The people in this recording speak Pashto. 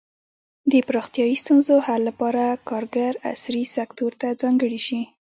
د پراختیايي ستونزو حل لپاره کارګر عصري سکتور ته ځانګړي شي.